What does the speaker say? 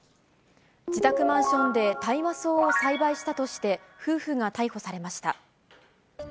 自宅マンションで大麻草を栽培したとして、夫婦が逮捕されました。